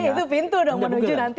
itu pintu dong menuju nanti